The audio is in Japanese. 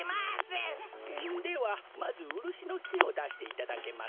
ではまずウルシのきをだしていただけますか。